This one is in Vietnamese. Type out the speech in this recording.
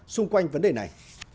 xung quanh vấn đề này